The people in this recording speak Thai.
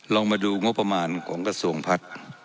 ลองมาดูงบประมาณของกระทรวงพัฒน์